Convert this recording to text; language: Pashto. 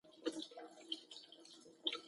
ګیلاس د ادب د مجلس ښکلا ده.